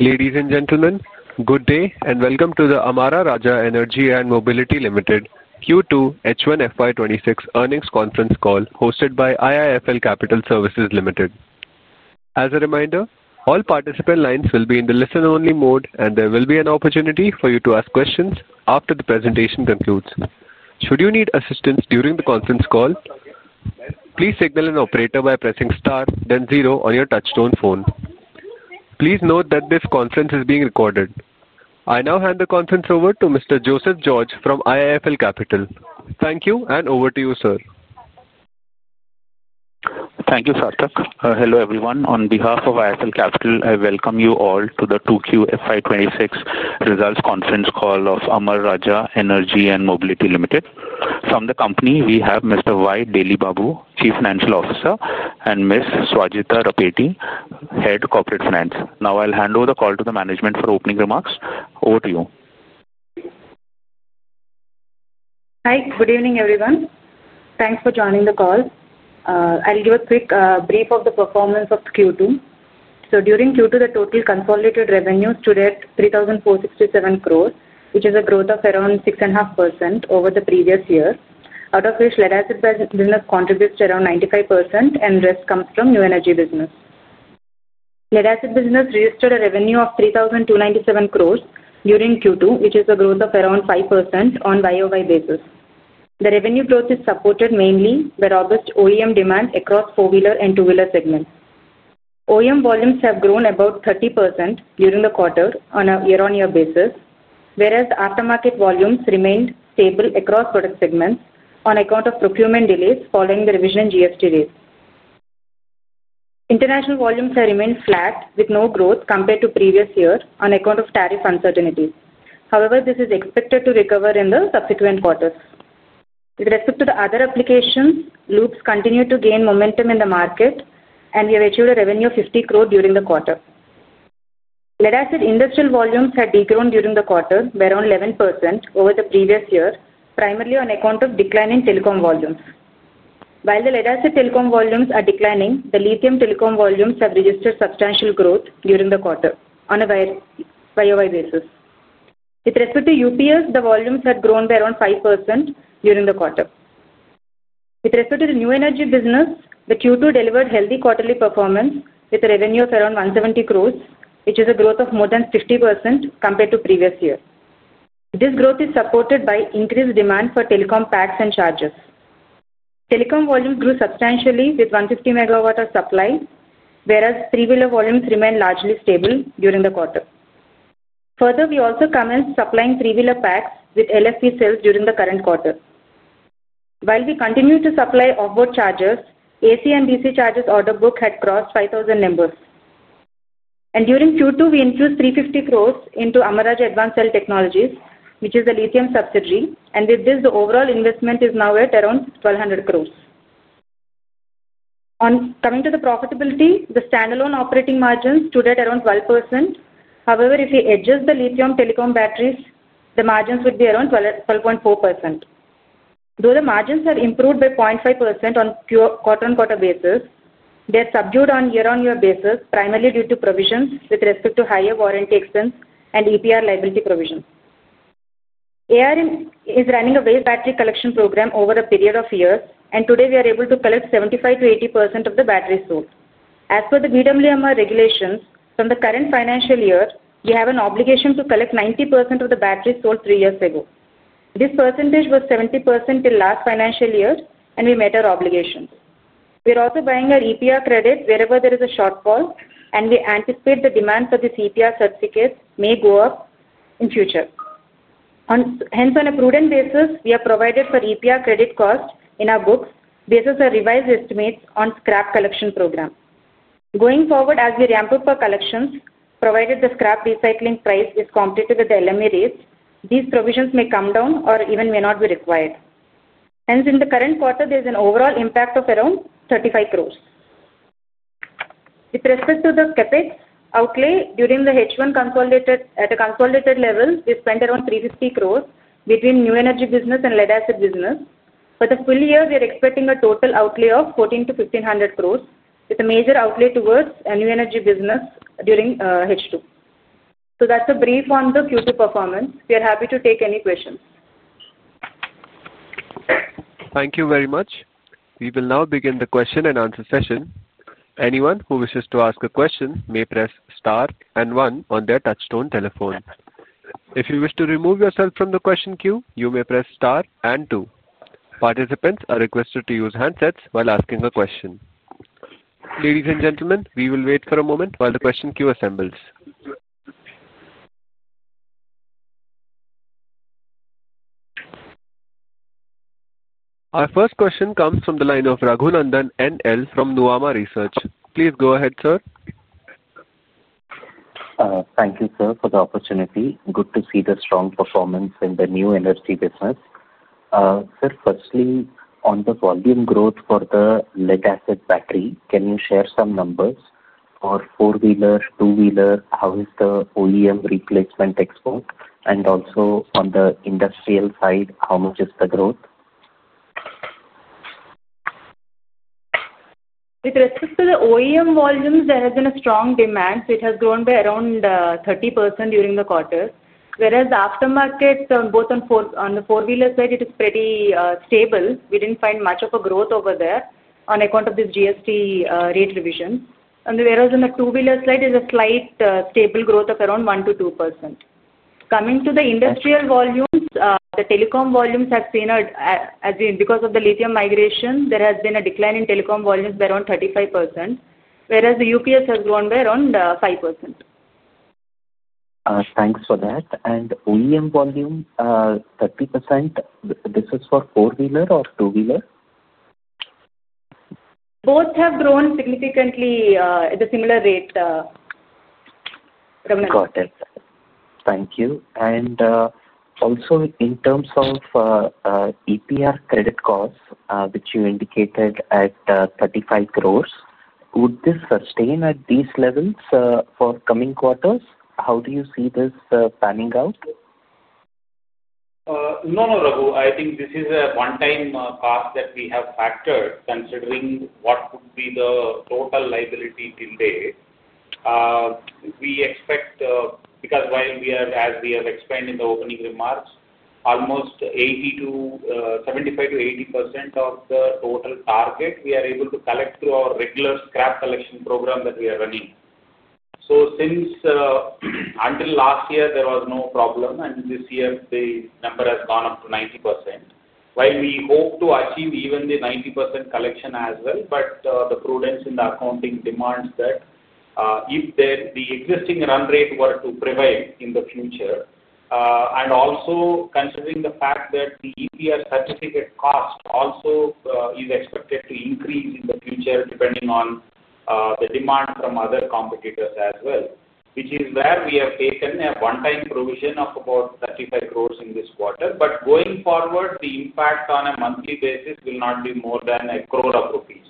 Ladies and gentlemen, good day and welcome to the Amara Raja Energy & Mobility Limited Q2 H1 FY 2026 earnings conference call hosted by IIFL Capital Services Limited. As a reminder, all participant lines will be in the listen-only mode, and there will be an opportunity for you to ask questions after the presentation concludes. Should you need assistance during the conference call, please signal an operator by pressing star, then zero on your touchstone phone. Please note that this conference is being recorded. I now hand the conference over to Mr. Joseph George from IIFL Capital. Thank you, and over to you, sir. Thank you, Sarthak. Hello everyone. On behalf of IIFL Capital, I welcome you all to the Q2 H1 FY 2026 results conference call of Amara Raja Energy & Mobility Limited. From the company, we have Mr. Y. Delli Babu, Chief Financial Officer, and Ms. Swajitha Rapeti, Head Corporate Finance. Now I'll hand over the call to the management for opening remarks. Over to you. Hi, good evening everyone. Thanks for joining the call. I'll give a quick brief of the performance of Q2. During Q2, the total consolidated revenues stood at 3,467 crore, which is a growth of around 6.5% over the previous year, out of which Lead-acid business contributes around 95%, and the rest comes from new energy business. Lead-acid business registered a revenue of 3,297 crore during Q2, which is a growth of around 5% on a YoY basis. The revenue growth is supported mainly by robust OEM demand across four-wheeler and two-wheeler segments. OEM volumes have grown about 30% during the quarter on a year-on-year basis, whereas aftermarket volumes remained stable across product segments on account of procurement delays following the revision in GST rates. International volumes have remained flat with no growth compared to the previous year on account of tariff uncertainties. However, this is expected to recover in the subsequent quarters. With respect to the other applications, loops continue to gain momentum in the market, and we have achieved a revenue of 50 crore during the quarter. Lead-acid industrial volumes have decreased during the quarter by around 11% over the previous year, primarily on account of declining telecom volumes. While the lead-acid telecom volumes are declining, the lithium telecom volumes have registered substantial growth during the quarter on a YoY basis. With respect to UPS, the volumes have grown by around 5% during the quarter. With respect to the new energy business, the Q2 delivered healthy quarterly performance with a revenue of around 170 crore, which is a growth of more than 50% compared to the previous year. This growth is supported by increased demand for telecom packs and chargers. Telecom volumes grew substantially with 150 MW of supply, whereas three-wheeler volumes remained largely stable during the quarter. Further, we also commenced supplying three-wheeler packs with LFP cells during the current quarter. While we continue to supply off-board chargers, the AC and DC chargers order book had crossed 5,000 numbers. During Q2, we increased 350 crore into Amara Raja Advanced Cell Technologies, which is a lithium subsidiary, and with this, the overall investment is now at around 1,200 crore. Coming to the profitability, the standalone operating margins stood at around 12%. However, if we adjust the lithium telecom batteries, the margins would be around 12.4%. Though the margins have improved by 0.5% on a quarter-on-quarter basis, they are subdued on a year-on-year basis, primarily due to provisions with respect to higher warranty expense and EPR liability provisions. AR is running a waste battery collection program over a period of years, and today we are able to collect 75%-80% of the batteries sold. As per the BWMR regulations, from the current financial year, we have an obligation to collect 90% of the batteries sold three years ago. This percentage was 70% till last financial year, and we met our obligations. We are also buying our EPR credit wherever there is a shortfall, and we anticipate the demand for this EPR certificate may go up in the future. Hence, on a prudent basis, we have provided for EPR credit cost in our books based on revised estimates on the scrap collection program. Going forward, as we ramp up our collections, provided the scrap recycling price is competitive with the LME rates, these provisions may come down or even may not be required. Hence, in the current quarter, there is an overall impact of around 35 crore. With respect to the CapEx outlay during the H1 at a consolidated level, we spent around 350 crore between new energy business and lead-acid business. For the full year, we are expecting a total outlay of 1,400-1,500 crore, with a major outlay towards new energy business during H2. That is a brief on the Q2 performance. We are happy to take any questions. Thank you very much. We will now begin the question and answer session. Anyone who wishes to ask a question may press star and one on their touchstone telephone. If you wish to remove yourself from the question queue, you may press star and two. Participants are requested to use handsets while asking a question. Ladies and gentlemen, we will wait for a moment while the question queue assembles. Our first question comes from the line of Raghunandhan NL from Nuvama Research. Please go ahead, sir. Thank you, sir, for the opportunity. Good to see the strong performance in the new energy business. Sir, firstly, on the volume growth for the lead-acid battery, can you share some numbers for four-wheeler, two-wheeler? How is the OEM replacement export? Also on the industrial side, how much is the growth? With respect to the OEM volumes, there has been a strong demand. It has grown by around 30% during the quarter, whereas aftermarket, both on the four-wheeler side, it is pretty stable. We did not find much of a growth over there on account of this GST rate revision. On the two-wheeler side, there is a slight stable growth of around 1%-2%. Coming to the industrial volumes, the telecom volumes have seen, because of the lithium migration, there has been a decline in telecom volumes by around 35%, whereas the UPS has grown by around 5%. Thanks for that. OEM volume, 30%, this is for four-wheeler or two-wheeler? Both have grown significantly at a similar rate. Got it. Thank you. Also, in terms of EPR credit cost, which you indicated at 35 crore, would this sustain at these levels for coming quarters? How do you see this panning out? No, no, Raghu. I think this is a one-time cost that we have factored, considering what would be the total liability delay. We expect, because as we have explained in the opening remarks, almost 75%-80% of the total target we are able to collect through our regular scrap collection program that we are running. Until last year, there was no problem, and this year the number has gone up to 90%, while we hope to achieve even the 90% collection as well. The prudence in the accounting demands that if the existing run rate were to prevail in the future, and also considering the fact that the EPR certificate cost also is expected to increase in the future depending on the demand from other competitors as well, which is where we have taken a one-time provision of about 35 crore in this quarter. Going forward, the impact on a monthly basis will not be more than 10,000,000 rupees,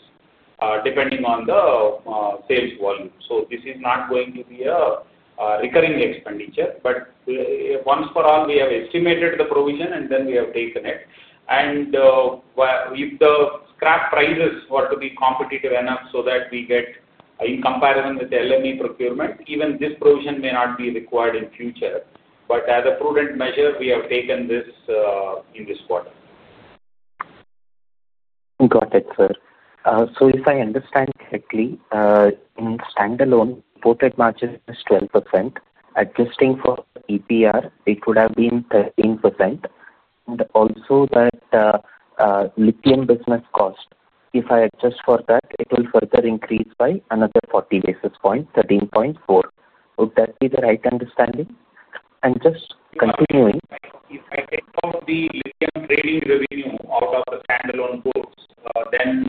depending on the sales volume. This is not going to be a recurring expenditure. Once for all, we have estimated the provision, and then we have taken it. If the scrap prices were to be competitive enough so that we get in comparison with LME procurement, even this provision may not be required in the future. As a prudent measure, we have taken this in this quarter. Got it, sir. If I understand correctly, in standalone, quoted margin is 12%. Adjusting for EPR, it would have been 13%. Also, that lithium business cost, if I adjust for that, it will further increase by another 40 basis points, 13.4%. Would that be the right understanding? Just continuing. If I take out the lithium trading revenue out of the standalone goods, then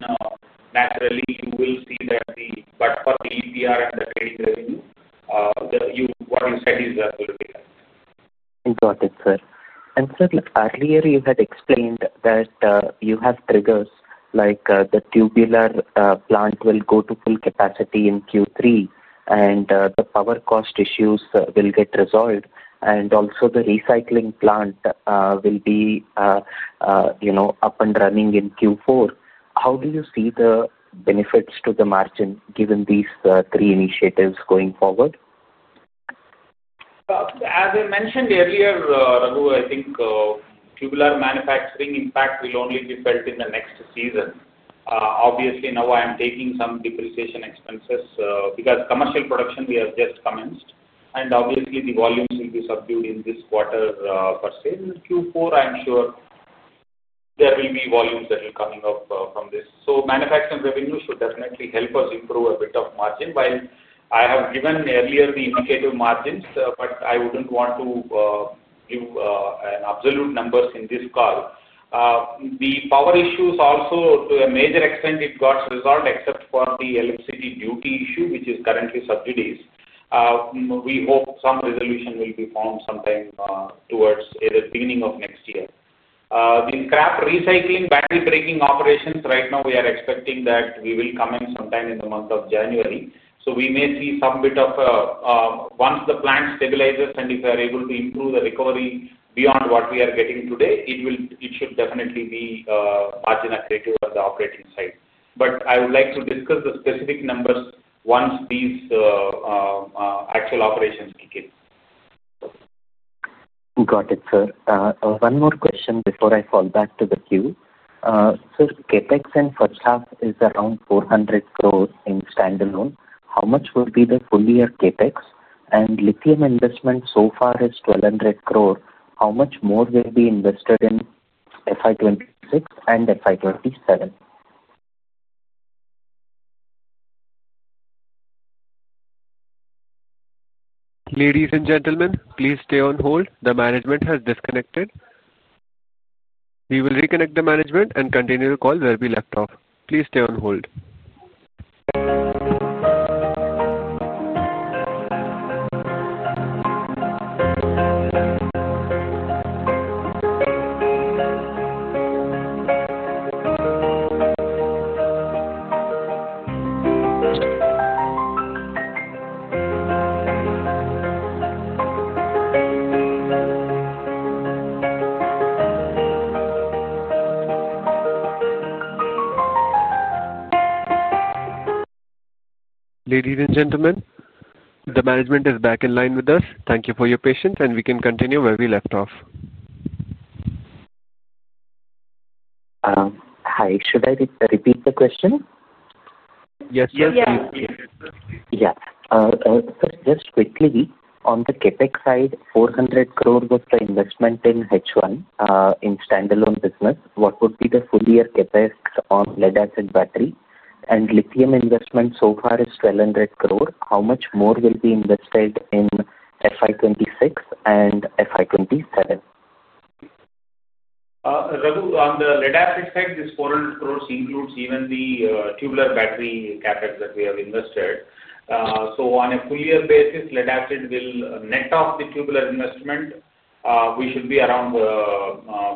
naturally you will see that. Except for the EPR and the trading revenue, what you said is absolutely correct. Got it, sir. Sir, earlier you had explained that you have triggers like the tubular plant will go to full capacity in Q3, the power cost issues will get resolved, and also the recycling plant will be up and running in Q4. How do you see the benefits to the margin given these three initiatives going forward? As I mentioned earlier, Raghu, I think tubular manufacturing impact will only be felt in the next season. Obviously, now I am taking some depreciation expenses because commercial production we have just commenced, and obviously the volumes will be subdued in this quarter per se. In Q4, I'm sure there will be volumes that are coming up from this. Manufacturing revenue should definitely help us improve a bit of margin, while I have given earlier the indicative margins, but I wouldn't want to give absolute numbers in this call. The power issues also, to a major extent, it got resolved except for the electricity duty issue, which is currently subsidized. We hope some resolution will be found sometime towards either the beginning of next year. The scrap recycling battery breaking operations, right now we are expecting that we will come in sometime in the month of January. We may see some bit of, once the plant stabilizes and if we are able to improve the recovery beyond what we are getting today, it should definitely be margin accretive on the operating side. I would like to discuss the specific numbers once these actual operations kick in. Got it, sir. One more question before I fall back to the queue. Sir, CapEx in first half is around 400 crore in standalone. How much would be the full year CapEx? And lithium investment so far is 1,200 crore. How much more will be invested in FY 2026 and FY 2027? Ladies and gentlemen, please stay on hold. The management has disconnected. We will reconnect the management and continue the call where we left off. Please stay on hold. Ladies and gentlemen, the management is back in line with us. Thank you for your patience, and we can continue where we left off. Hi, should I repeat the question? Yes, yes, please. Yes. Sir, just quickly, on the CapEx side, 400 crore was the investment in H1 in standalone business. What would be the full year CapEx on lead-acid battery? And lithium investment so far is 1,200 crore. How much more will be invested in FY 2026 and FY 2027? Raghu, on the lead-acid side, this 400 crore includes even the tubular battery CapEx that we have invested. On a full year basis, lead-acid will net off the tubular investment, which should be around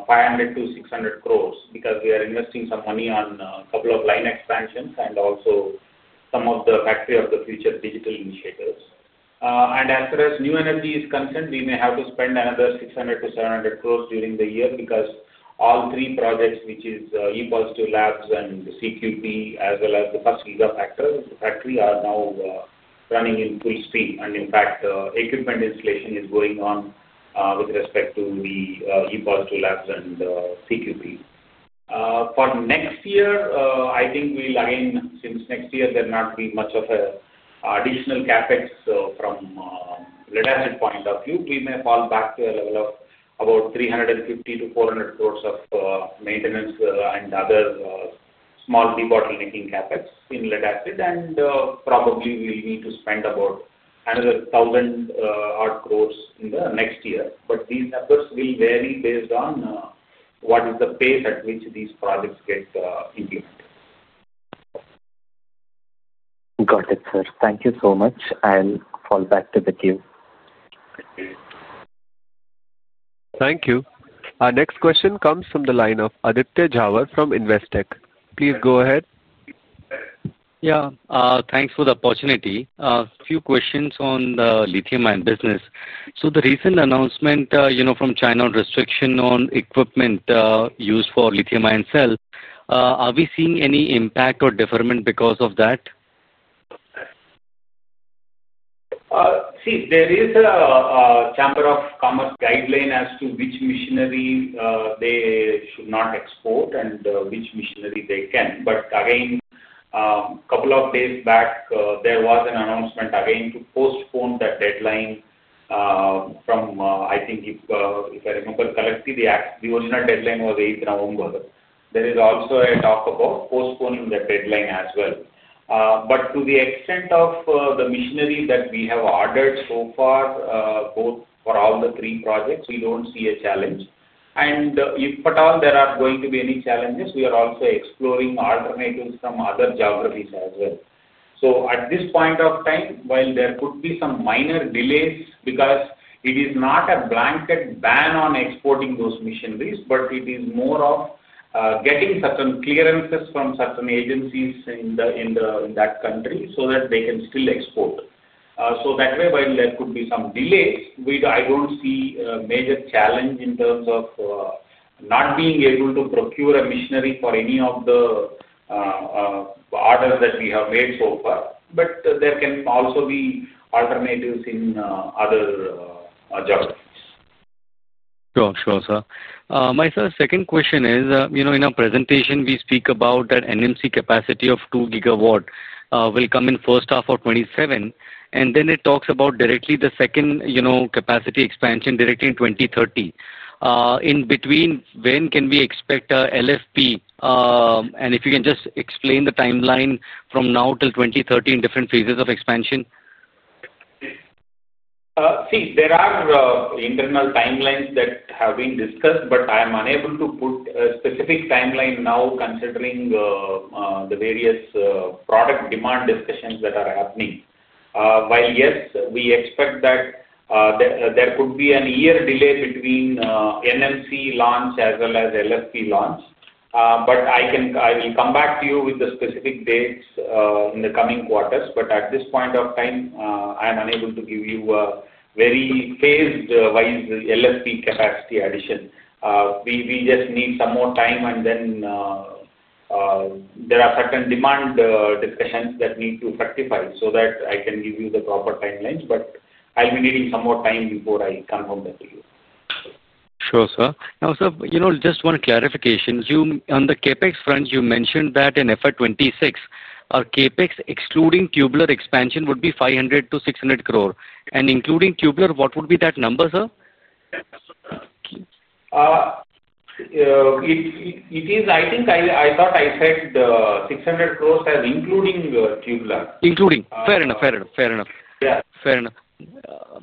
500 crore-600 crore because we are investing some money on a couple of line expansions and also some of the Factory of the Future digital initiatives. As far as new energy is concerned, we may have to spend another 600 crore-700 crore during the year because all three projects, which are E-Positive Labs and CQP, as well as the first gigafactory factory, are now running in full speed. In fact, equipment installation is going on with respect to the E-Positive Labs and CQP. For next year, I think we'll again, since next year there will not be much of an additional CapEx from a lead-acid point of view, we may fall back to a level of about 350 crore-400 crore of maintenance and other small debottlenecking CapEx in lead-acid. We may need to spend about another 1,000 crore-odd in the next year. These efforts will vary based on what is the pace at which these projects get implemented. Got it, sir. Thank you so much. I'll fall back to the queue. Thank you. Our next question comes from the line of Aditya Jawar from Investech. Please go ahead. Yeah, thanks for the opportunity. A few questions on the lithium-ion business. The recent announcement from China on restriction on equipment used for lithium-ion cells, are we seeing any impact or deferment because of that? See, there is a Chamber of Commerce guideline as to which machinery they should not export and which machinery they can. A couple of days back, there was an announcement again to postpone that deadline from, I think, if I remember correctly, the original deadline was 8th of November. There is also a talk about postponing that deadline as well. To the extent of the machinery that we have ordered so far, both for all the three projects, we do not see a challenge. If at all there are going to be any challenges, we are also exploring alternatives from other geographies as well. At this point of time, while there could be some minor delays because it is not a blanket ban on exporting those machineries, it is more of getting certain clearances from certain agencies in that country so that they can still export. That way, while there could be some delays, I do not see a major challenge in terms of not being able to procure a machinery for any of the orders that we have made so far. There can also be alternatives in other geographies. Sure, sure, sir. My second question is, in our presentation, we speak about that NMC capacity of 2 GW will come in first half of 2027, and then it talks about directly the second capacity expansion directly in 2030. In between, when can we expect LFP? And if you can just explain the timeline from now till 2030 in different phases of expansion. See, there are internal timelines that have been discussed, but I am unable to put a specific timeline now considering the various product demand discussions that are happening. While yes, we expect that there could be a year delay between NMC launch as well as LFP launch. I will come back to you with the specific dates in the coming quarters. At this point of time, I am unable to give you a very phased-wise LFP capacity addition. We just need some more time, and then there are certain demand discussions that need to rectify so that I can give you the proper timelines. I'll be needing some more time before I come home to you. Sure, sir. Now, sir, just one clarification. On the CapEx front, you mentioned that in FY 2026, our CapEx excluding tubular expansion would be 500 crore-600 crore. And including tubular, what would be that number, sir? It is, I think I thought I said 600 crore including tubular. Fair enough.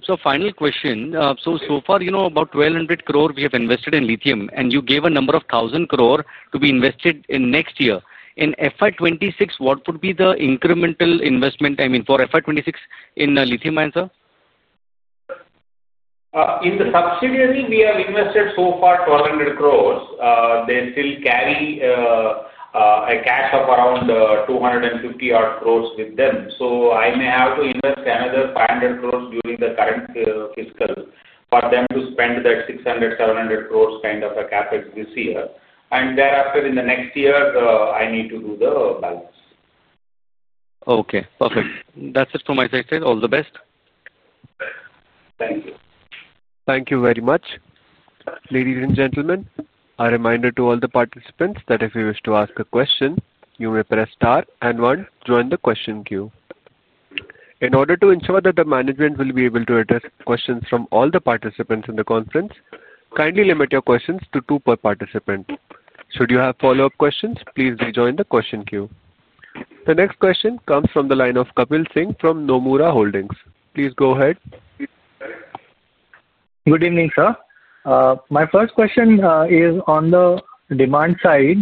So final question. So far, about 1,200 crore we have invested in lithium, and you gave a number of 1,000 crore to be invested in next year. In FY 2026, what would be the incremental investment, I mean, for FY 2026 in lithium-ion, sir? In the subsidiary, we have invested so far 1,200 crore. They still carry a cash of around 250-odd crore with them. I may have to invest another 500 crore during the current fiscal for them to spend that 600 crore-700 crore kind of a CapEx this year. Thereafter, in the next year, I need to do the balance. Okay, perfect. That's it from my side, sir. All the best. Thank you. Thank you very much. Ladies and gentlemen, a reminder to all the participants that if you wish to ask a question, you may press star and one, join the question queue. In order to ensure that the management will be able to address questions from all the participants in the conference, kindly limit your questions to two per participant. Should you have follow-up questions, please rejoin the question queue. The next question comes from the line of Kapil Singh from Nomura Holdings. Please go ahead. Good evening, sir. My first question is on the demand side.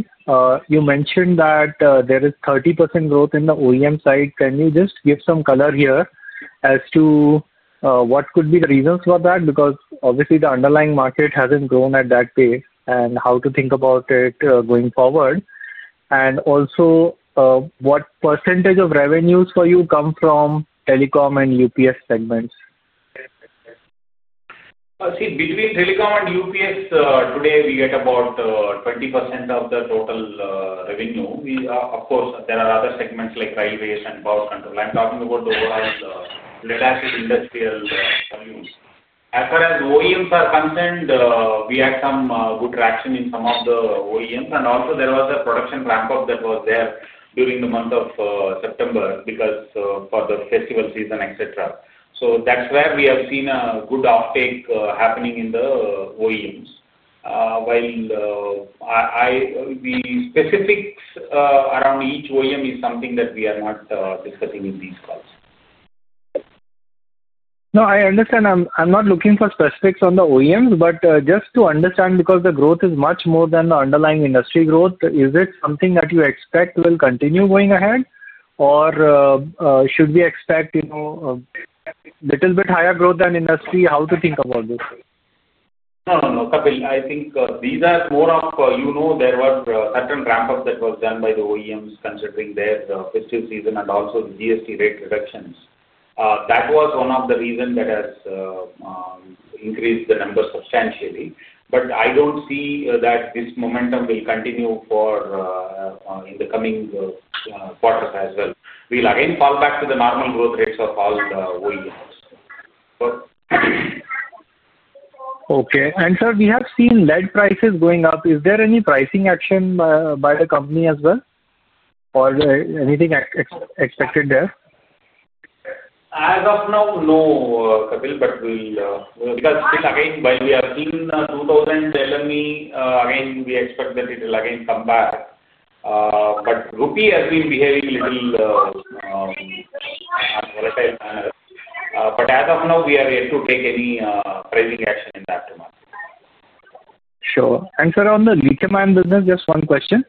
You mentioned that there is 30% growth in the OEM side. Can you just give some color here as to what could be the reasons for that? Because obviously the underlying market has not grown at that pace and how to think about it going forward. Also, what percentage of revenues for you come from telecom and UPS segments? See, between telecom and UPS, today we get about 20% of the total revenue. Of course, there are other segments like railways and power control. I'm talking about the overall lead-acid industrial volumes. As far as OEMs are concerned, we had some good traction in some of the OEMs. Also, there was a production ramp-up that was there during the month of September because for the festival season, etc. That is where we have seen a good offtake happening in the OEMs. While the specifics around each OEM is something that we are not discussing in these calls. No, I understand. I'm not looking for specifics on the OEMs, but just to understand, because the growth is much more than the underlying industry growth, is it something that you expect will continue going ahead, or should we expect a little bit higher growth than industry? How to think about this? No, no, no, Kapil. I think these are more of there was a certain ramp-up that was done by the OEMs considering their fiscal season and also the GST rate reductions. That was one of the reasons that has increased the number substantially. I don't see that this momentum will continue in the coming quarters as well. We'll again fall back to the normal growth rates of all the OEMs. Okay. Sir, we have seen lead prices going up. Is there any pricing action by the company as well? Or anything expected there? As of now, no, Kapil, but we'll. Because again, while we have seen 2,000 alumi, again, we expect that it will again come back. Rupee has been behaving a little volatile. As of now, we are yet to take any pricing action in that demand. Sure. Sir, on the lithium-ion business, just one question.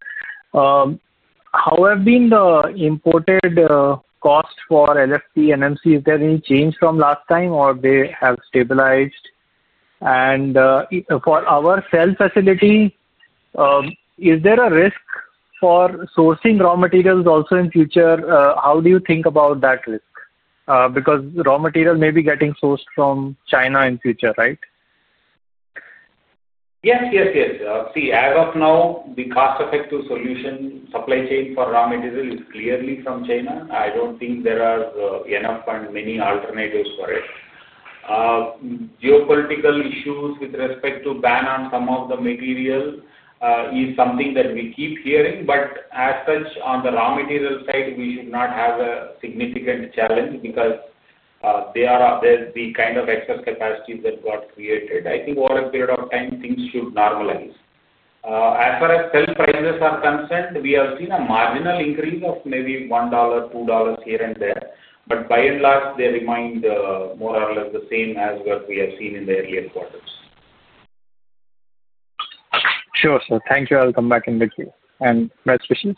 How have been the imported costs for LFP, NMC? Is there any change from last time, or have they stabilized? For our cell facility, is there a risk for sourcing raw materials also in future? How do you think about that risk? Because raw material may be getting sourced from China in future, right? Yes, yes, yes. See, as of now, the cost-effective solution, supply chain for raw material is clearly from China. I do not think there are enough and many alternatives for it. Geopolitical issues with respect to ban on some of the material is something that we keep hearing. As such, on the raw material side, we should not have a significant challenge because there are the kind of excess capacities that got created. I think over a period of time, things should normalize. As far as cell prices are concerned, we have seen a marginal increase of maybe $1, $2 here and there. By and large, they remained more or less the same as what we have seen in the earlier quarters. Sure, sir. Thank you. I'll come back in the queue. Best wishes.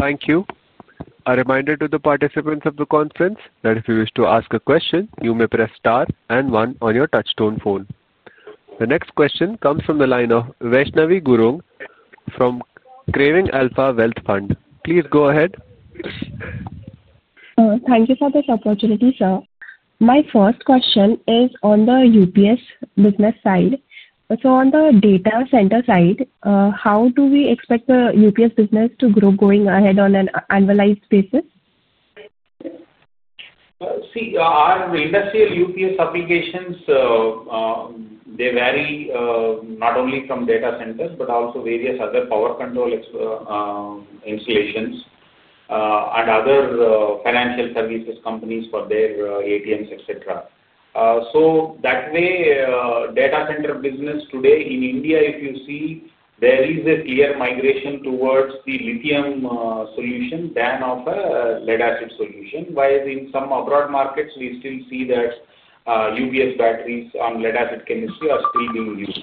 Thank you. A reminder to the participants of the conference that if you wish to ask a question, you may press star and one on your touchstone phone. The next question comes from the line of Vaishnavi Gurung from Craving Alpha Wealth Fund. Please go ahead. Thank you for this opportunity, sir. My first question is on the UPS business side. On the data center side, how do we expect the UPS business to grow going ahead on an annualized basis? See, our industrial UPS applications, they vary not only from data centers, but also various other power control installations and other financial services companies for their ATMs, etc. That way, data center business today in India, if you see, there is a clear migration towards the lithium solution than of a lead-acid solution. While in some abroad markets, we still see that UPS batteries on lead-acid chemistry are still being used.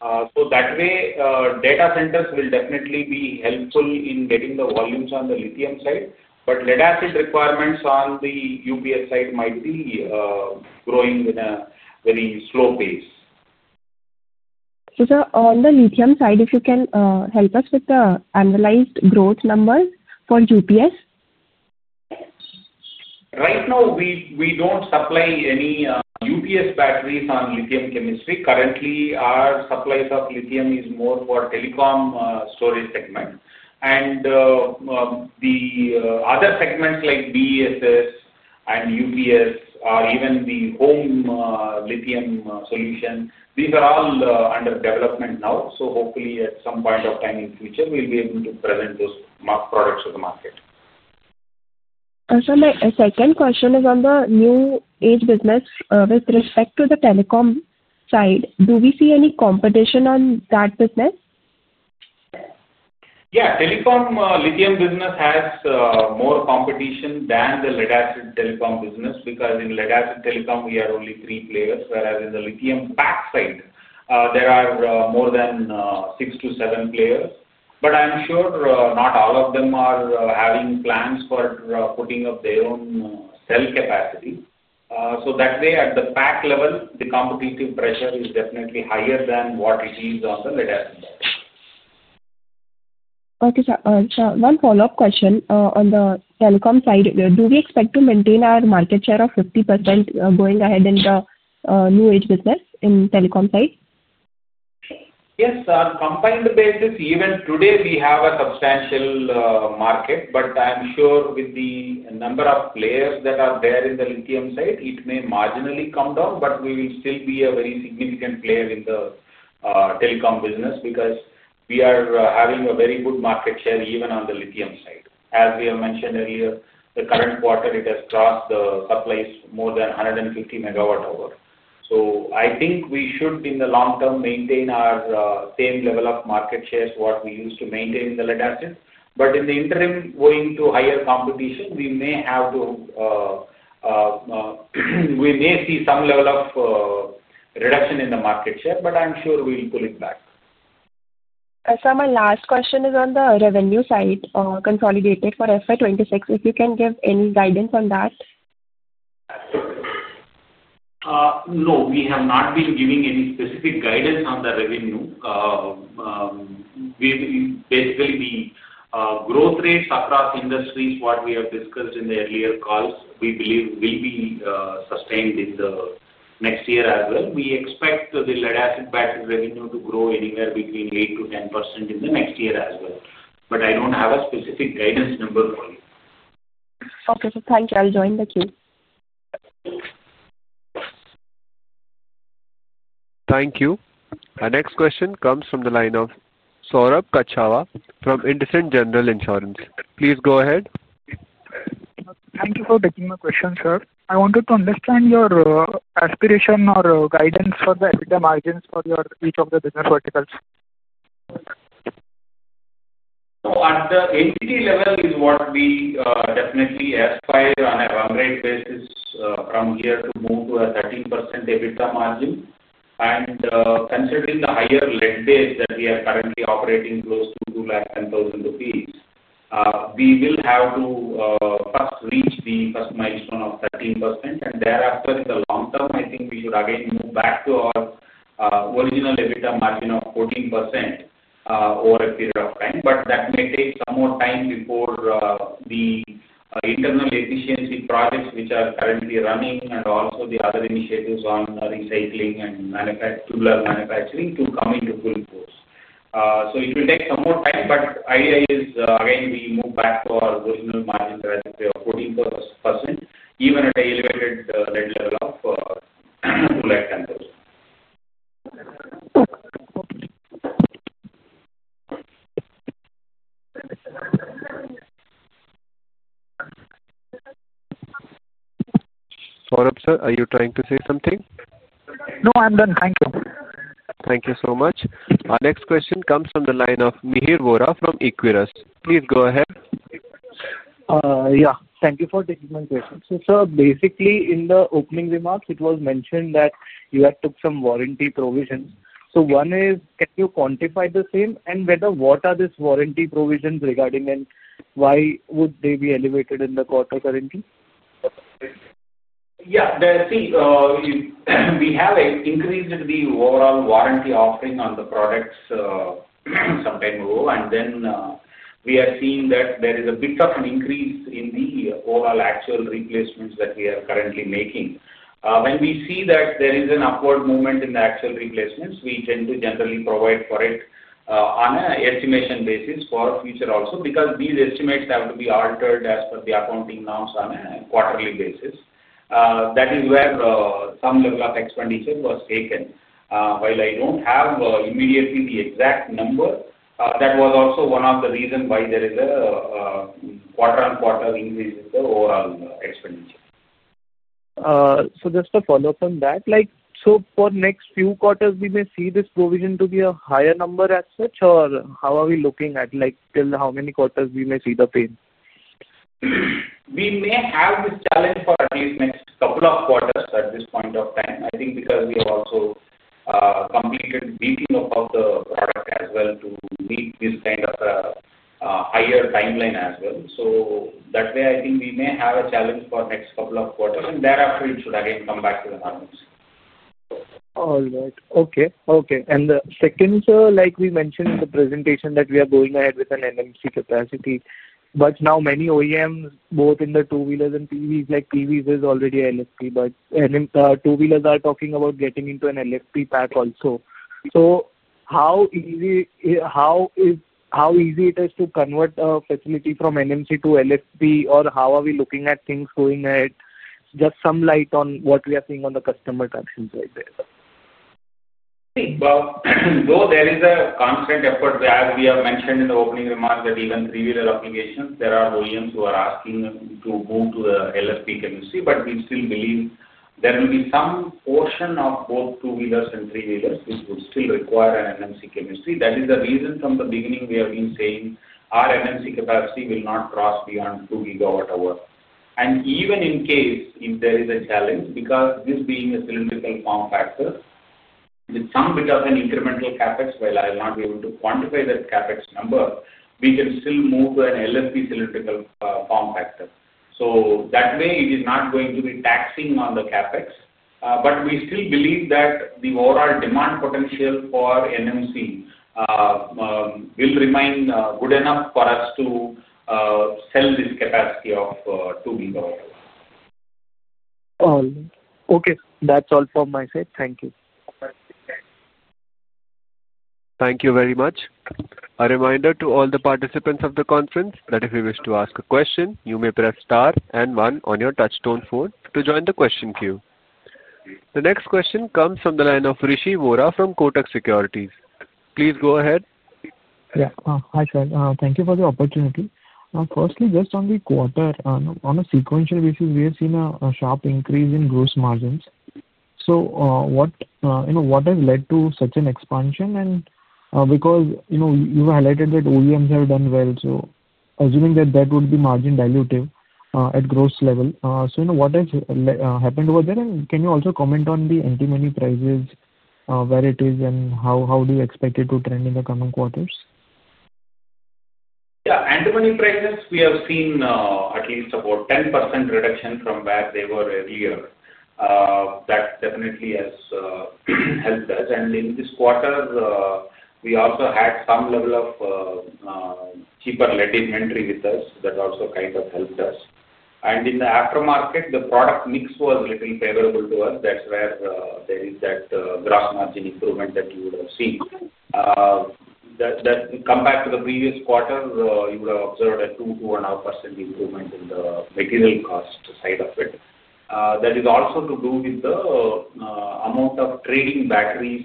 That way, data centers will definitely be helpful in getting the volumes on the lithium side. Lead-acid requirements on the UPS side might be growing in a very slow pace. Sir, on the lithium side, if you can help us with the annualized growth numbers for UPS? Right now, we don't supply any UPS batteries on lithium chemistry. Currently, our supplies of lithium is more for telecom storage segment. The other segments like BESS and UPS, or even the home lithium solution, these are all under development now. Hopefully, at some point of time in future, we'll be able to present those products to the market. Sir, my second question is on the new age business. With respect to the telecom side, do we see any competition on that business? Yeah, telecom lithium business has more competition than the lead-acid telecom business because in lead-acid telecom, we are only three players. Whereas in the lithium pack side, there are more than six to seven players. I am sure not all of them are having plans for putting up their own cell capacity. That way, at the pack level, the competitive pressure is definitely higher than what it is on the lead-acid battery. Okay, sir. One follow-up question. On the telecom side, do we expect to maintain our market share of 50% going ahead in the new age business in telecom side? Yes, on a combined basis, even today, we have a substantial market. I'm sure with the number of players that are there in the lithium side, it may marginally come down, but we will still be a very significant player in the telecom business because we are having a very good market share even on the lithium side. As we have mentioned earlier, the current quarter, it has crossed the supplies more than 150 MWh. I think we should, in the long term, maintain our same level of market shares what we used to maintain in the lead-acid. In the interim, going to higher competition, we may see some level of reduction in the market share, but I'm sure we'll pull it back. Sir, my last question is on the revenue side consolidated for FY 2026. If you can give any guidance on that. No, we have not been giving any specific guidance on the revenue. Basically, the growth rates across industries, what we have discussed in the earlier calls, we believe will be sustained in the next year as well. We expect the lead-acid battery revenue to grow anywhere between 8%-10% in the next year as well. I do not have a specific guidance number for you. Okay, sir. Thank you. I'll join the queue. Thank you. Our next question comes from the line of Saurabh Kachhawa from IndusInd General Insurance. Please go ahead. Thank you for taking my question, sir. I wanted to understand your aspiration or guidance for the EBITDA margins for each of the business verticals. At the entity level, is what we definitely aspire on a run rate basis from here to move to a 13% EBITDA margin. Considering the higher lead base that we are currently operating close to 210,000 rupees, we will have to first reach the first milestone of 13%. Thereafter, in the long term, I think we should again move back to our original EBITDA margin of 14% over a period of time. That may take some more time before the internal efficiency projects which are currently running and also the other initiatives on recycling and tubular manufacturing come into full force. It will take some more time, but idea is again we move back to our original margin of 14% even at an elevated lead level of INR 210,000. Saurabh sir, are you trying to say something? No, I'm done. Thank you. Thank you so much. Our next question comes from the line of Mihir Vora from Equirus. Please go ahead. Yeah, thank you for taking my question. Sir, basically in the opening remarks, it was mentioned that you had took some warranty provisions. One is, can you quantify the same? And what are these warranty provisions regarding and why would they be elevated in the quarter currently? Yeah, see, we have increased the overall warranty offering on the products some time ago. We are seeing that there is a bit of an increase in the overall actual replacements that we are currently making. When we see that there is an upward movement in the actual replacements, we tend to generally provide for it on an estimation basis for future also because these estimates have to be altered as per the accounting norms on a quarterly basis. That is where some level of expenditure was taken. While I do not have immediately the exact number, that was also one of the reasons why there is a quarter-on-quarter increase in the overall expenditure. Just a follow-up on that. For next few quarters, we may see this provision to be a higher number as such, or how are we looking at how many quarters we may see the pain? We may have this challenge for at least the next couple of quarters at this point of time. I think because we have also completed beating up of the product as well to meet this kind of a higher timeline as well. That way, I think we may have a challenge for the next couple of quarters. Thereafter, it should again come back to the norms. All right. Okay, okay. The second, sir, like we mentioned in the presentation that we are going ahead with an NMC capacity. Now, many OEMs, both in the two-wheelers and PVs, like PVs is already an LFP, but two-wheelers are talking about getting into an LFP pack also. How easy is it to convert a facility from NMC to LFP, or how are we looking at things going ahead? Just some light on what we are seeing on the customer tractions right there. Though there is a constant effort, as we have mentioned in the opening remarks, that even three-wheeler applications, there are OEMs who are asking to move to the LFP chemistry. We still believe there will be some portion of both two-wheelers and three-wheelers which would still require an NMC chemistry. That is the reason from the beginning we have been saying our NMC capacity will not cross beyond 2 GWh. Even in case if there is a challenge, because this being a cylindrical form factor with some bit of an incremental CapEx, while I'll not be able to quantify that CapEx number, we can still move to an LFP cylindrical form factor. That way, it is not going to be taxing on the CapEx. We still believe that the overall demand potential for NMC will remain good enough for us to sell this capacity of 2 GWh. Okay, that's all from my side. Thank you. Thank you very much. A reminder to all the participants of the conference that if you wish to ask a question, you may press star and one on your touchstone phone to join the question queue. The next question comes from the line of Rishi Vora from Kotak Securities. Please go ahead. Yeah, hi sir. Thank you for the opportunity. Firstly, just on the quarter, on a sequential basis, we have seen a sharp increase in gross margins. What has led to such an expansion? You have highlighted that OEMs have done well, so assuming that that would be margin dilutive at gross level. What has happened over there? Can you also comment on the anti-money prices, where it is, and how do you expect it to trend in the coming quarters? Yeah, anti-money prices, we have seen at least about 10% reduction from where they were earlier. That definitely has helped us. In this quarter, we also had some level of cheaper lead inventory with us. That also kind of helped us. In the aftermarket, the product mix was a little favorable to us. That's where there is that gross margin improvement that you would have seen. Compared to the previous quarter, you would have observed a 2%-2.2% improvement in the material cost side of it. That is also to do with the amount of trading batteries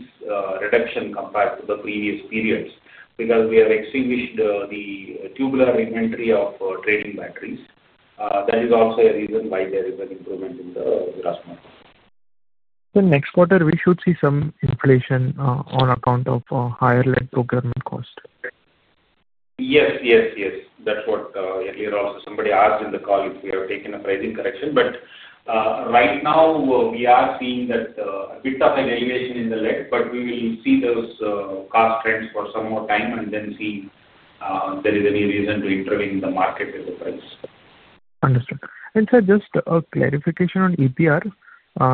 reduction compared to the previous periods because we have extinguished the tubular inventory of trading batteries. That is also a reason why there is an improvement in the gross margin. Next quarter, we should see some inflation on account of higher lead procurement cost. Yes, yes. That's what earlier also somebody asked in the call if we have taken a pricing correction. Right now, we are seeing a bit of an elevation in the lead, but we will see those cost trends for some more time and then see if there is any reason to intervene in the market with the price. Understood. Sir, just a clarification on EPR.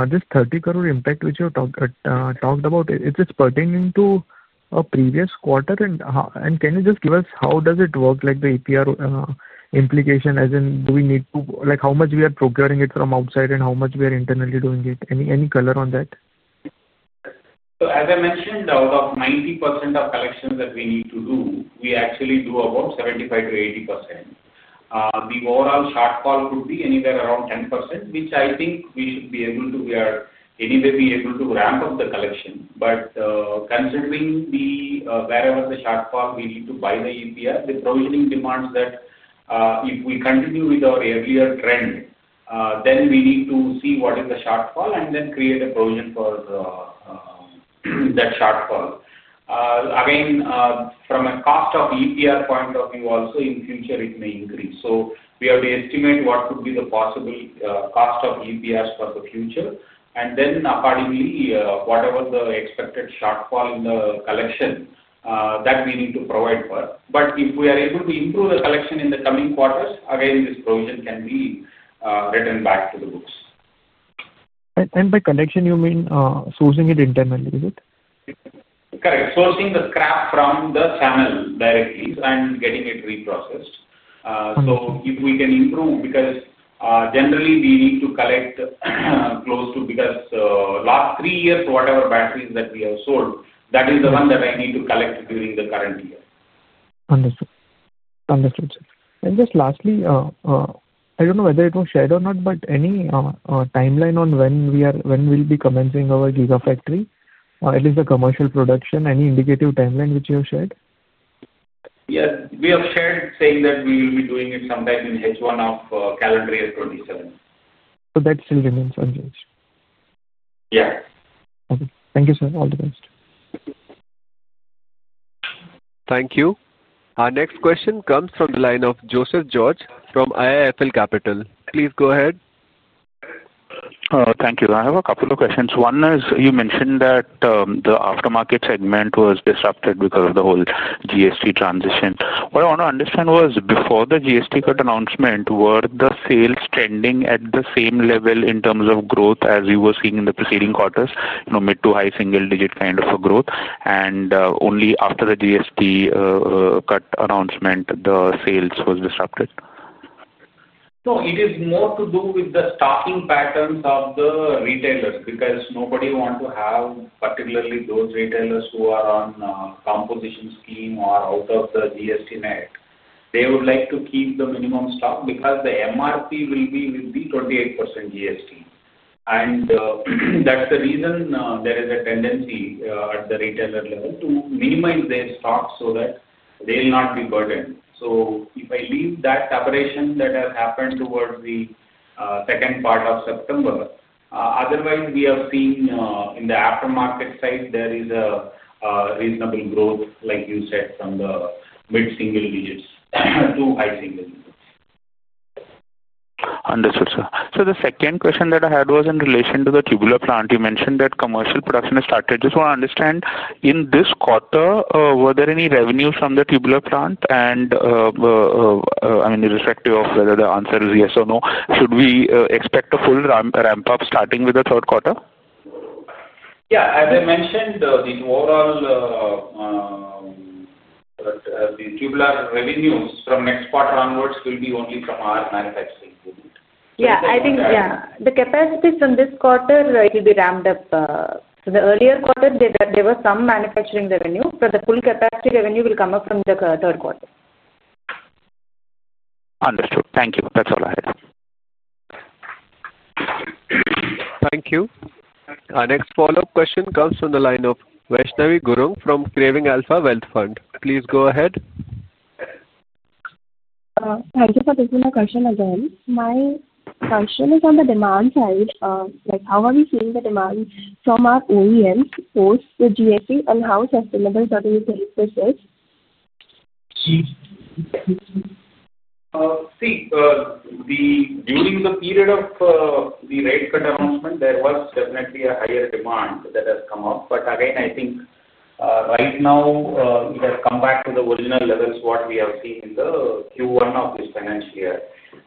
This 30 crore impact which you talked about, is this pertaining to a previous quarter? Can you just give us how does it work, like the EPR implication, as in do we need to, how much we are procuring it from outside and how much we are internally doing it? Any color on that? As I mentioned, out of 90% of collections that we need to do, we actually do about 75%-80%. The overall shortfall could be anywhere around 10%, which I think we should be able to, we are anyway able to ramp up the collection. Considering wherever the shortfall, we need to buy the EPR. The provisioning demands that if we continue with our earlier trend, then we need to see what is the shortfall and then create a provision for that shortfall. Again, from a cost of EPR point of view, also in future, it may increase. We have to estimate what could be the possible cost of EPRs for the future, and then accordingly, whatever the expected shortfall in the collection, that we need to provide for. If we are able to improve the collection in the coming quarters, again, this provision can be written back to the books. By collection, you mean sourcing it internally, is it? Correct. Sourcing the scrap from the channel directly and getting it reprocessed. If we can improve, because generally, we need to collect close to, because last three years, whatever batteries that we have sold, that is the one that I need to collect during the current year. Understood. Just lastly, I do not know whether it was shared or not, but any timeline on when we will be commencing our gigafactory, at least the commercial production, any indicative timeline which you have shared? Yes, we have shared saying that we will be doing it sometime in H1 of calendar year 2027. That still remains unchanged? Yeah. Okay. Thank you, sir. All the best. Thank you. Our next question comes from the line of Joseph George from IIFL Capital. Please go ahead. Thank you. I have a couple of questions. One is you mentioned that the aftermarket segment was disrupted because of the whole GST transition. What I want to understand was, before the GST cut announcement, were the sales trending at the same level in terms of growth as you were seeing in the preceding quarters, mid to high single-digit kind of a growth? Only after the GST cut announcement, the sales was disrupted? No, it is more to do with the stocking patterns of the retailers because nobody wants to have, particularly those retailers who are on composition scheme or out of the GST net. They would like to keep the minimum stock because the MRP will be with the 28% GST. That is the reason there is a tendency at the retailer level to minimize their stock so that they will not be burdened. If I leave that aberration that has happened towards the second part of September, otherwise, we have seen in the aftermarket side, there is a reasonable growth, like you said, from the mid single digits to high single digits. Understood, sir. The second question that I had was in relation to the tubular plant. You mentioned that commercial production has started. Just want to understand, in this quarter, were there any revenues from the tubular plant? I mean, irrespective of whether the answer is yes or no, should we expect a full ramp-up starting with the third quarter? Yeah, as I mentioned, the overall tubular revenues from next quarter onwards will be only from our manufacturing. Yeah, I think, yeah. The capacity from this quarter will be ramped up. The earlier quarter, there was some manufacturing revenue, but the full capacity revenue will come up from the third quarter. Understood. Thank you. That's all I had. Thank you. Our next follow-up question comes from the line of Vaishnavi Gurung from Craving Alpha Wealth Fund. Please go ahead. Thank you for taking my question again. My question is on the demand side. How are we seeing the demand from our OEMs post the GST, and how sustainable do you think this is? See, during the period of the rate cut announcement, there was definitely a higher demand that has come up. Again, I think right now, it has come back to the original levels what we have seen in the Q1 of this financial year.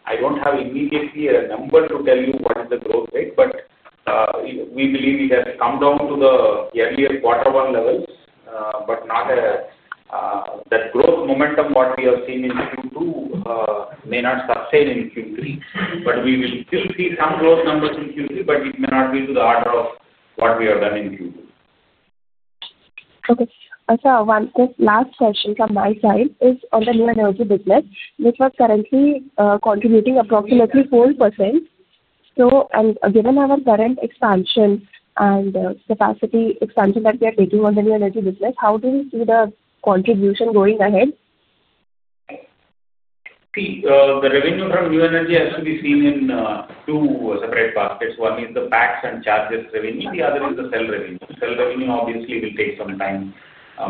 I do not have immediately a number to tell you what is the growth rate, but we believe it has come down to the earlier quarter-one levels, but not that growth momentum what we have seen in Q2 may not sustain in Q3. We will still see some growth numbers in Q3, but it may not be to the order of what we have done in Q2. Okay. Sir, one last question from my side is on the new energy business, which was currently contributing approximately 4%. Given our current expansion and capacity expansion that we are taking on the new energy business, how do we see the contribution going ahead? See, the revenue from new energy has to be seen in two separate baskets. One is the packs and chargers revenue. The other is the cell revenue. Cell revenue obviously will take some time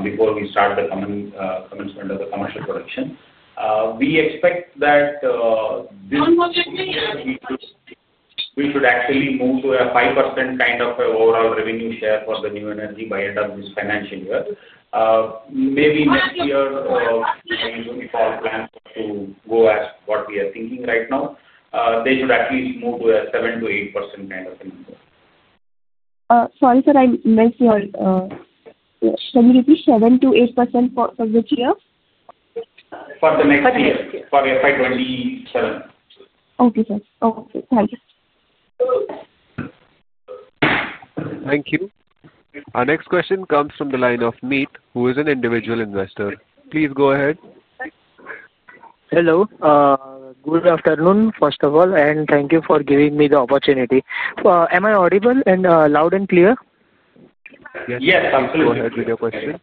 before we start the commitment of the commercial production. We expect that we should actually move to a 5% kind of overall revenue share for the new energy by end of this financial year. Maybe next year, if our plans were to go as what we are thinking right now, they should at least move to a 7%-8% kind of a number. Sorry, sir, I missed your—can you repeat 7%-8% for which year? For the next year, for FY 2027. Okay, sir. Okay. Thank you. Thank you. Our next question comes from the line of Meet, who is an individual investor. Please go ahead. Hello. Good afternoon, first of all, and thank you for giving me the opportunity. Am I audible and loud and clear? Yes, absolutely. Go ahead with your question.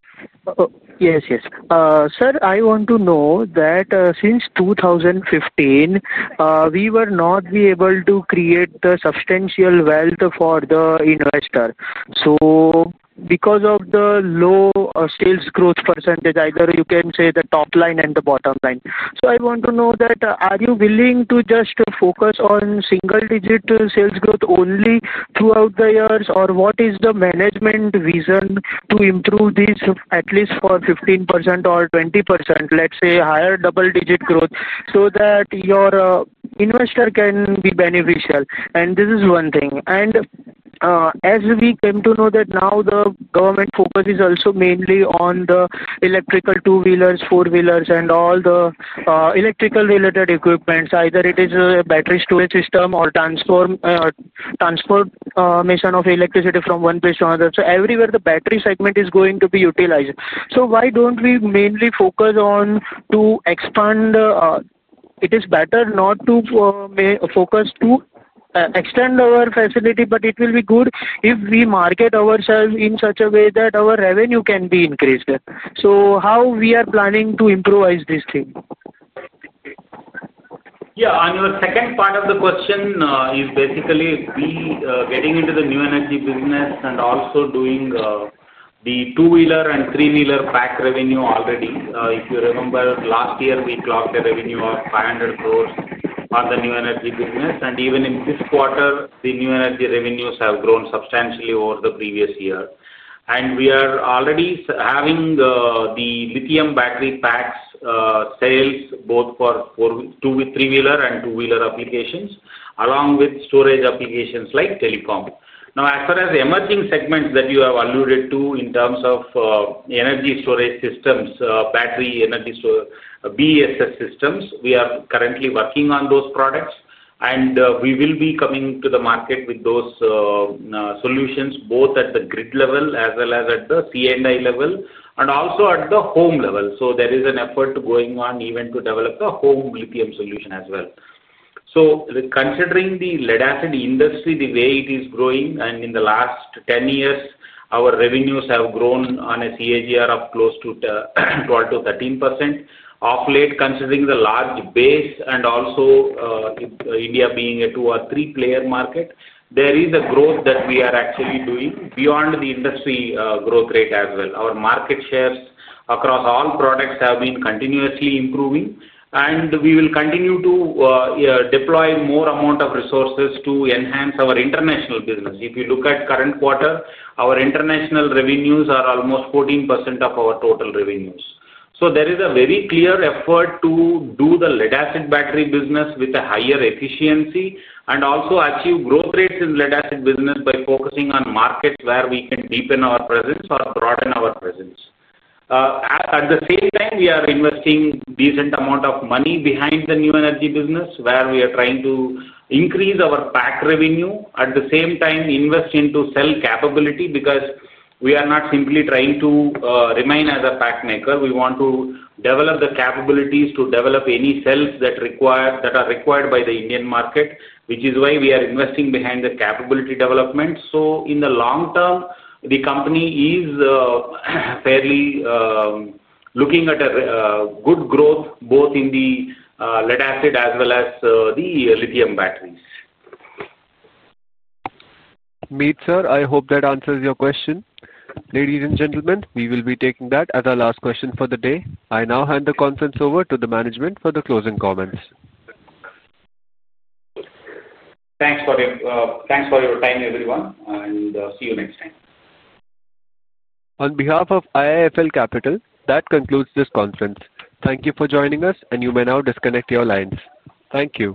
Yes, yes. Sir, I want to know that since 2015, we were not able to create the substantial wealth for the investor. So because of the low sales growth percentage, either you can say the top line and the bottom line. I want to know that are you willing to just focus on single-digit sales growth only throughout the years, or what is the management vision to improve this at least for 15% or 20%, let's say higher double-digit growth so that your investor can be beneficial? This is one thing. As we came to know that now the government focus is also mainly on the electrical two-wheelers, four-wheelers, and all the electrical-related equipment, either it is a battery storage system or transformation of electricity from one place to another. Everywhere the battery segment is going to be utilized. Why do not we mainly focus on to expand? It is better not to focus to extend our facility, but it will be good if we market ourselves in such a way that our revenue can be increased. How are we planning to improvise this thing? Yeah. On the second part of the question is basically getting into the new energy business and also doing the two-wheeler and three-wheeler pack revenue already. If you remember, last year, we clocked a revenue of 500 crore on the new energy business. Even in this quarter, the new energy revenues have grown substantially over the previous year. We are already having the lithium battery packs sales both for three-wheeler and two-wheeler applications, along with storage applications like telecom. Now, as far as emerging segments that you have alluded to in terms of energy storage systems, battery energy storage systems, we are currently working on those products. We will be coming to the market with those solutions both at the grid level as well as at the C&I level and also at the home level. There is an effort going on even to develop a home lithium solution as well. Considering the lead-acid industry, the way it is growing, and in the last 10 years, our revenues have grown on a CAGR of close to 12-13%. Off late, considering the large base and also India being a two or three-player market, there is a growth that we are actually doing beyond the industry growth rate as well. Our market shares across all products have been continuously improving, and we will continue to deploy more amount of resources to enhance our international business. If you look at current quarter, our international revenues are almost 14% of our total revenues. There is a very clear effort to do the lead-acid battery business with a higher efficiency and also achieve growth rates in lead-acid business by focusing on markets where we can deepen our presence or broaden our presence. At the same time, we are investing a decent amount of money behind the new energy business where we are trying to increase our pack revenue, at the same time invest into cell capability because we are not simply trying to remain as a pack maker. We want to develop the capabilities to develop any cells that are required by the Indian market, which is why we are investing behind the capability development. In the long term, the company is fairly looking at a good growth both in the lead-acid as well as the lithium batteries. Meet, sir. I hope that answers your question. Ladies and gentlemen, we will be taking that as our last question for the day. I now hand the conference over to the management for the closing comments. Thanks for your time, everyone, and see you next time. On behalf of IIFL Capital, that concludes this conference. Thank you for joining us, and you may now disconnect your lines. Thank you.